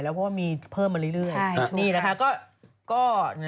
แล้วเพราะว่ามีเพิ่มมาเรื่อยเหรอใช่นี่แหละคะถูกค่ะ